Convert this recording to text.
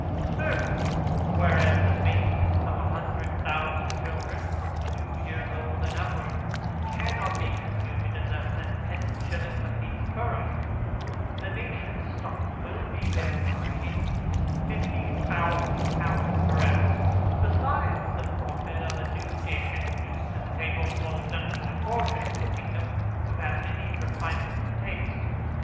Thirdly, Whereas the maintainance of a hundred thousand children, from two years old, and upwards, cannot be computed at less than ten shillings a piece per annum, the nation's stock will be thereby encreased fifty thousand pounds per annum, besides the profit of a new dish, introduced to the tables of all gentlemen of fortune in the kingdom, who have any refinement in taste.